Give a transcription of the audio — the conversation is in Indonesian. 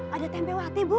ada tempewati bu